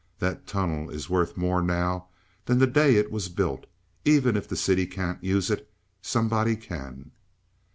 That tunnel is worth more now than the day it was built. Even if the city can't use it, somebody can."